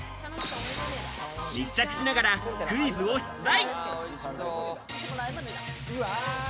密着しながらクイズを出題。